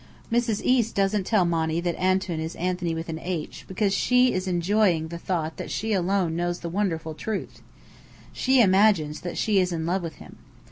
Mrs. East doesn't tell Monny that Antoun is "Anthony with an h" because she is enjoying the thought that she alone knows the wonderful truth. She imagines that she is in love with him.